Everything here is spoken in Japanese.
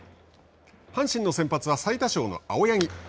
阪神の先発は最多勝の青柳。